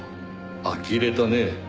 あきれたね。